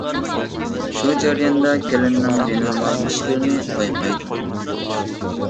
شۇ جەرياندا كېلىنىنىڭ بىنورمال ئىشلىرىنى بايقايدۇ.